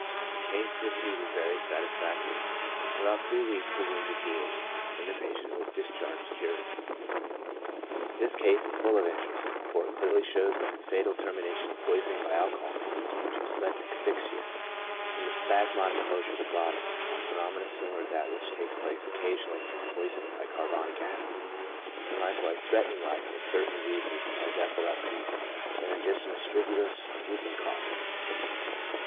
The case proceeded very satisfactorily ; in about three weeks the wound had healed, and the patient was discharged cured. This case is full of interest, for it clearly shows that the fatal termination of poisoning by alcohol may be due to sudden asphyxia from a spasmodic closure of the glottis ; a phenomenon similar to that which takes place occasionally from poisoning by carbonic acid, and likev/ise threatening life in certain diseases, as epilepsy, laryngismus stridulus, and whooping cough.